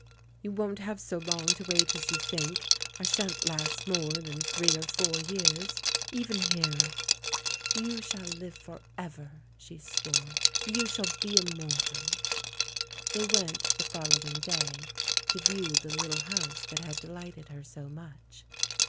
"You won't have so long to wait as you think — I shan't last more than three or four years, even here!" "You shall live for ever," she swore; "you shall be immortal!" They went, the following day, to view the lit tle house that had delighted her so much.